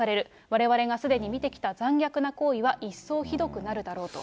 われわれがすでに見てきた残虐な行為は一層ひどくなるだろうと。